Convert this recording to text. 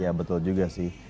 ya betul juga sih